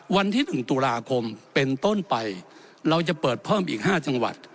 วันที่๑ตุลาคมเป็นต้นไปเราจะเปิดเพิ่มอีก๕จังหวัด